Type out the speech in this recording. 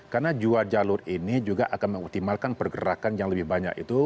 karena dua jalur ini juga akan mengoptimalkan pergerakan yang lebih banyak itu